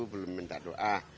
belum minta doa